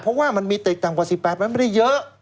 เพราะว่ามันมีตึกต่ำกว่า๑๘มันไม่ได้เยอะ